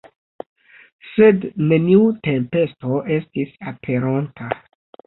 Sed neniu tempesto estis aperonta.